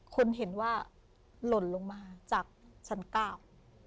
คนเห็นว่าหล่นลงมาจากชั้นเก้า